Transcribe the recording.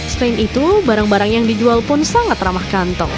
selain itu barang barang yang dijual pun sangat ramah kantong